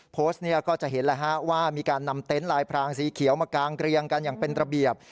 โพสต์เนี่ยก็จะเห็นแล้วฮะว่ามีการนำเต็นต์ลายพรางสีเขียวมากางเกรียงกันอย่างเป็นระเบียบ